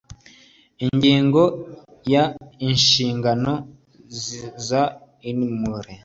ingingo ya inshingano za inmr